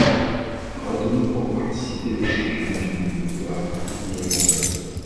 Retenu pour participer aux championnats du monde à Doha, il y abandonne.